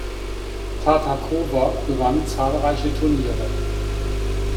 Tartakower gewann zahlreiche Turniere.